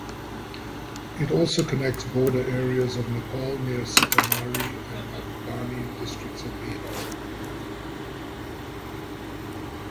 It also connects border areas of Nepal near Sitamarhi and Madhubani districts of Bihar.